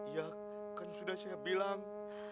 ya kan sudah saya bilang